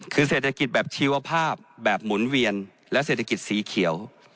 คือเศรษฐกิจแบบชีวภาพแบบหมุนเวียนและเศรษฐกิจสีเขียว